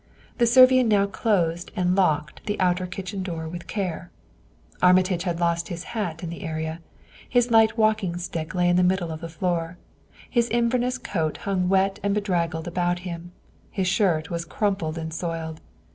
The Servian now closed and locked the outer kitchen door with care. Armitage had lost his hat in the area; his light walking stick lay in the middle of the floor; his inverness coat hung wet and bedraggled about him; his shirt was crumpled and soiled.